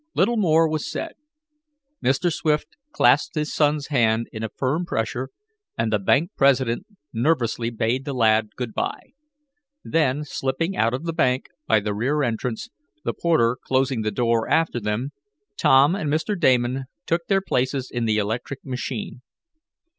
Little more was said. Mr. Swift clasped his son's hand in a firm pressure, and the bank president nervously bade the lad good by. Then, slipping out of the bank, by the rear entrance, the porter closing the door after them, Tom and Mr. Damon took their places in the electric machine.